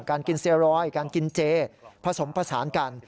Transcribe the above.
การกินเซียรอยการกินเจผสมผสานกัน